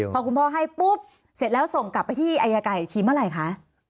พอคุณพ่อให้ปุ๊บเสร็จแล้วส่งกลับไปที่อายการอีกทีเมื่อไหร่คะ